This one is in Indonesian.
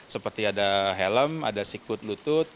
seperti ada helm ada seafood lutut